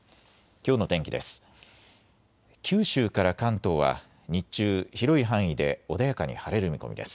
きょうの天気です。